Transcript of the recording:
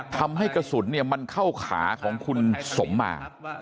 ทำให้กระสุนมันเข้าขาของคุณสมมา